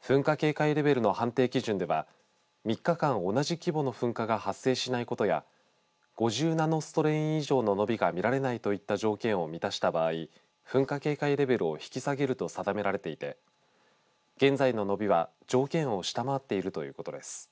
噴火警戒レベルの判定基準では３日間同じ規模の噴火が発生しないことや５０ナノストレイン以上の伸びが見られないといった条件を満たした場合噴火警戒レベルを引き下げると定められていて現在の伸びは条件を下回っているということです。